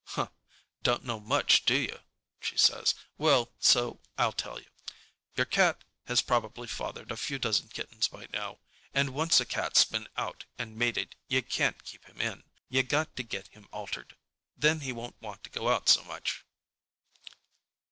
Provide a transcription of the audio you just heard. "Huh. Don't know much, do you?" she says. "Well, so I'll tell you. Your Cat has probably fathered a few dozen kittens by now, and once a cat's been out and mated, you can't keep him in. You got to get him altered. Then he won't want to go out so much."